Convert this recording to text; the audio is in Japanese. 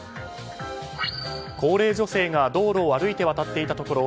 高齢女性が道路を歩いて渡っていたところ